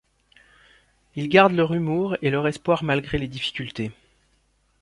Ils gardent leur humour et leur espoir malgré les difficultés.